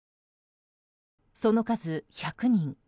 その数１００人。